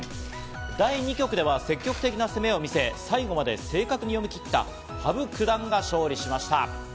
第２局では積極的な攻めを見せ、最後まで正確に読み切った羽生九段が勝利しました。